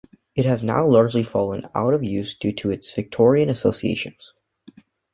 It has now largely fallen out of use due to its Victorian associations.